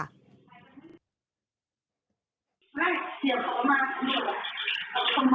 เอาเว้ยนะ